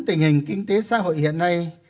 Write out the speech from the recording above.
tình hình kinh tế xã hội hiện nay